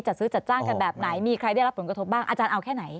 ซื้อจัดจ้างกันแบบไหนมีใครได้รับผลกระทบบ้างอาจารย์เอาแค่ไหน